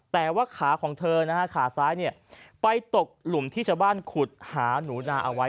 แต่ว่าขาของเธอนะฮะขาซ้ายไปตกหลุมที่ชาวบ้านขุดหาหนูนาเอาไว้